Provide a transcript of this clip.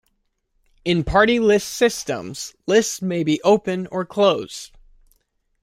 In party-list systems, lists may be open or closed.